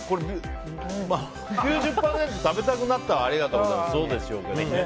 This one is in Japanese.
９０％、食べたくなったはありがとうございます。